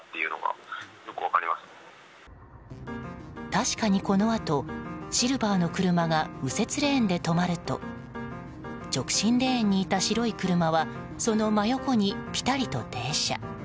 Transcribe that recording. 確かにこのあと、シルバーの車が右折レーンで止まると直進レーンにいた白い車はその真横にぴたりと停車。